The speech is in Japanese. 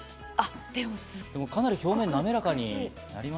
かなり表面が滑らかになりま